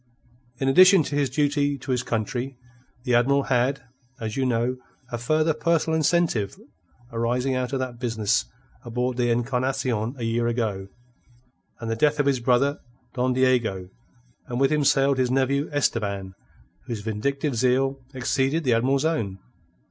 In addition to his duty to his country, the Admiral had, as you know, a further personal incentive arising out of that business aboard the Encarnacion a year ago, and the death of his brother Don Diego; and with him sailed his nephew Esteban, whose vindictive zeal exceeded the Admiral's own.